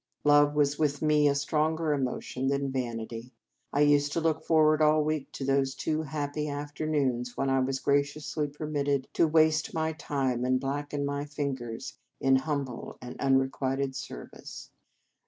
Love was with me a stronger emotion than vanity. I used to look forward all week to those two happy afternoons when I was graciously permitted to waste my time and blacken my fingers in humble and unrequited service.